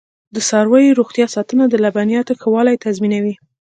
د څارویو روغتیا ساتنه د لبنیاتو ښه والی تضمینوي.